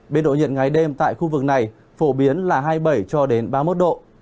biên độ nhiệt ngày đêm tại khu vực này phổ biến là hai mươi bảy cho đến ba mươi một độ